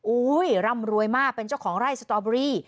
ร่ำรวยมากเป็นเจ้าของไร่สตอเบอรี่